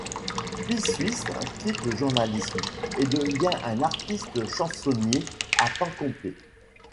Pisuisse quitte le journalisme et devient un artiste-chansonnier à temps complet.